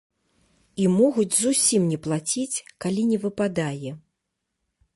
І могуць зусім не плаціць, калі не выпадае.